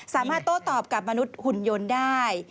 โต้ตอบกับมนุษย์หุ่นยนต์ได้